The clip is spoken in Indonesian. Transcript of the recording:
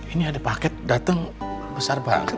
ini ada paket datang besar banget